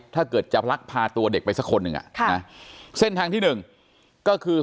ถ้าเกิดจะพลักพาตัวเด็กไปสักคนหนึ่งเส้นทางที่หนึ่งก็คือ